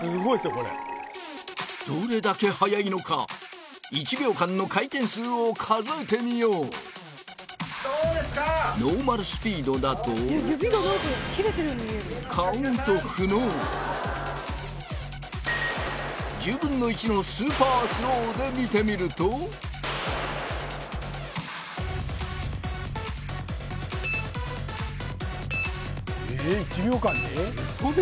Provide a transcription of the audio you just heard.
これどれだけ速いのか１秒間の回転数を数えてみようノーマルスピードだと１０分の１のスーパースローで見てみるとえ１秒間で？